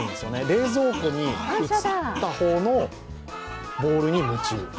冷蔵庫に写った方のボールに夢中。